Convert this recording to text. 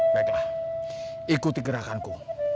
baiklah ikuti gerakanku